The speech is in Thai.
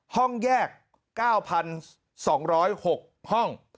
ห้องแยก๙๒๐๖ห้อง